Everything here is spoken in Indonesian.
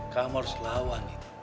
kamu harus lawan itu